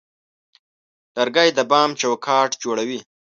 لرګی د بام چوکاټ جوړوي.